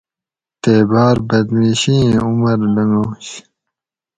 تے باۤر بدمیشی ایں عمر لنگاںش